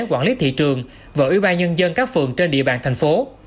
quản lý thị trường và ủy ban nhân dân các phường trên địa bàn thành phố